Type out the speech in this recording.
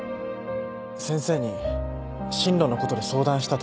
先生に進路のことで相談したときも。